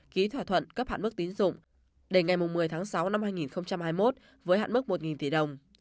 ký thỏa thuận cấp hạn mức tín dụng đến ngày một mươi tháng sáu năm hai nghìn hai mươi một với hạn mức một tỷ đồng